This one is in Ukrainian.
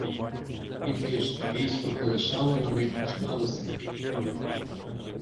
Тільки ж військо полишало на них чимало слідів.